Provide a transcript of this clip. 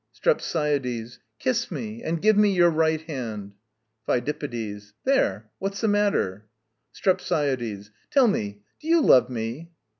STREPSIADES. Kiss me and give me your hand. PHIDIPPIDES. There! What's it all about? STREPSIADES. Tell me! do you love me?